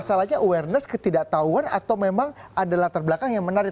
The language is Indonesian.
jadi masalahnya awareness ketidaktahuan atau memang adalah terbelakang yang menarik